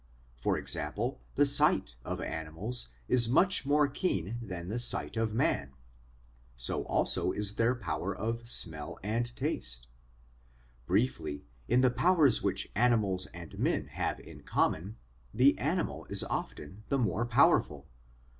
For example, the sight of animals is much more keen than the sight of man; so also is their power of smell and taste. Briefly, in the powers which animals and men have in common, the animal is often the more powerful.